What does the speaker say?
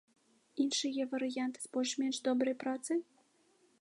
Іншыя варыянты з больш-менш добрай працай?